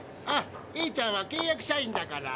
エーちゃんは契約社員だから。